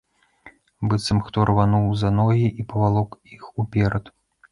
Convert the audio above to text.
Быццам хто рвануў за ногі і павалок іх уперад.